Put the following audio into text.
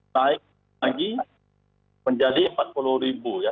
naik lagi menjadi empat puluh ribu ya